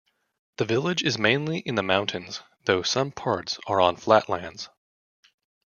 The village is mainly in the mountains, though some parts are on flatlands.